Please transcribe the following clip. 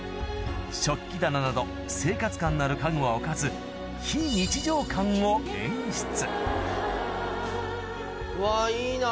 食器棚など生活感のある家具は置かず非日常感を演出うわいいな